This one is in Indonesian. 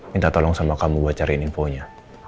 minta tolong sama kamu buat cariin infonya